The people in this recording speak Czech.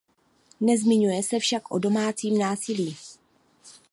Nezmiňuje se však o domácím násilí.